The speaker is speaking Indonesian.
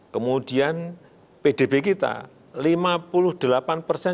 kemudian pdb kita lima puluh delapan persen